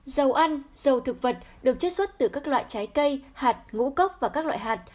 dầu ăn dầu thực vật được chất xuất từ các loại trái cây hạt ngũ cốc và các loại hạt